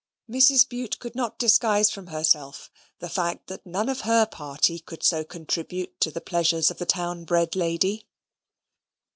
Mrs. Bute could not disguise from herself the fact that none of her party could so contribute to the pleasures of the town bred lady.